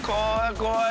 怖い。